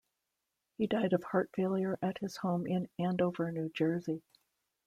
He died of heart failure at his home in Andover, New Jersey.